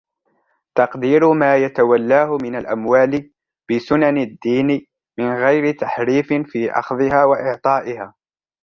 تَقْدِيرُ مَا يَتَوَلَّاهُ مِنْ الْأَمْوَالِ بِسُنَنِ الدِّينِ مِنْ غَيْرِ تَحْرِيفٍ فِي أَخْذِهَا وَإِعْطَائِهَا